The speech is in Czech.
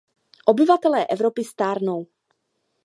Obyvatelé Evropy stárnou!